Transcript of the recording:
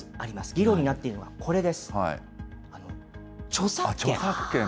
議論になっているのはこれです。